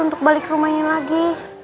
untuk balik rumahnya lagi